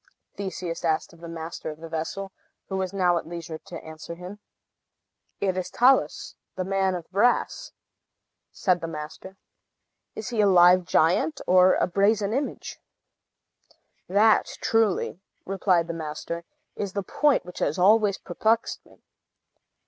Theseus asked of the master of the vessel, who was now at leisure to answer him. "It is Talus, the Man of Brass," said the master. "And is he a live giant, or a brazen image?" asked Theseus. "That, truly," replied the master, "is the point which has always perplexed me.